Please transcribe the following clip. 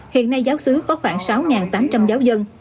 hiện nay giáo sứ có khoảng sáu tám trăm linh giáo dân